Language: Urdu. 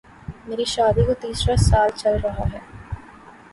میری شادی کو تیسرا سال چل رہا ہے